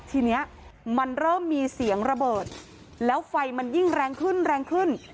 ทีนี้มันเริ่มมีเสียงระเบิดแล้วไฟมันยิ่งแรงขึ้นแรงขึ้น